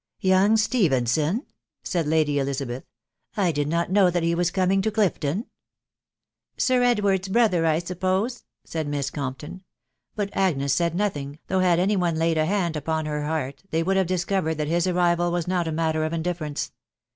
" Young Stephenson !" said Lady Elizabeth ;. (c I did not know that he was coming to Clifton." " Sir Edward's brother, I suppose ?".... said Miss Compton ;.... but Agnes said nothing, though, had any one laid a hand upon her heart, they would have discovered that his arrival was not a matter of indifference.